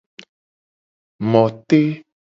Motede.